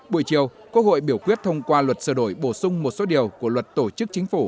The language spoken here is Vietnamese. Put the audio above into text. buổi chiều quốc hội biểu quyết thông qua luật sửa đổi bổ sung một số điều của luật tổ chức chính phủ